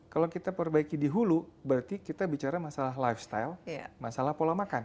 kalau kita perbaiki di hulu berarti kita bicara masalah lifestyle masalah pola makan